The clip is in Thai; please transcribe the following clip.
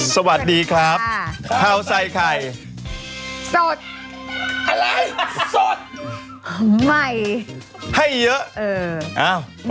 สวัสดีครับข้าวใส่ไข่สดอะไรสดใหม่ให้เยอะเออ